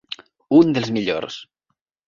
Un dels millors.